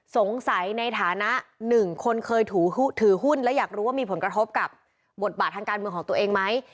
ในฐานะหนึ่งคนเคยถือหุ้นและอยากรู้ว่ามีผลกระทบกับบทบาททางการเมืองของตัวเองไหม